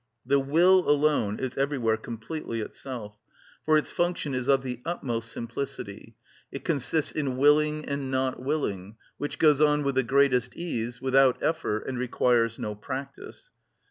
The will alone is everywhere completely itself. For its function is of the utmost simplicity; it consists in willing and not willing, which goes on with the greatest ease, without effort, and requires no practice.